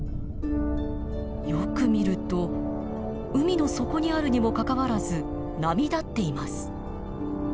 よく見ると海の底にあるにもかかわらず波立っています。